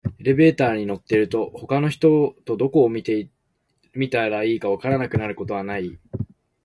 エレベーターに乗ってると、他の人とどこを見ていたらいいか分からなくなることない？